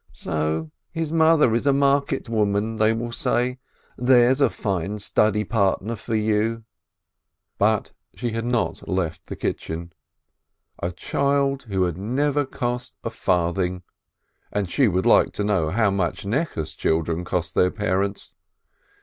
So his mother is a market woman, they will say, there's a fine partner for you !" But she had not left the kitchen. A child who had never cost a farthing, and she should like to know how much Necheh's chil dren cost their parents